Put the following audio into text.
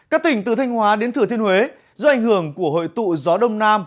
các tỉnh từ thanh hóa đến thừa thiên huế do ảnh hưởng của hội tụ gió đông nam